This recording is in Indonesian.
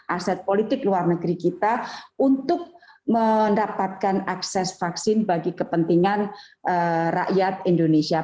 aset politik luar negeri kita untuk mendapatkan akses vaksin bagi kepentingan rakyat indonesia